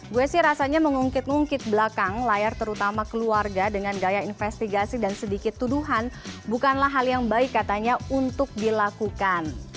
gue sih rasanya mengungkit ngungkit belakang layar terutama keluarga dengan gaya investigasi dan sedikit tuduhan bukanlah hal yang baik katanya untuk dilakukan